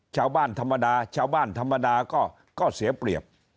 ชาวบ้านธรรมดาชาวบ้านธรรมดาก็เสียเปรียบ